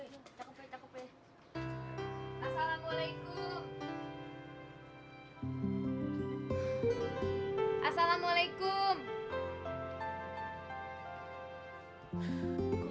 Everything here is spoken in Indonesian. iya pak ustadz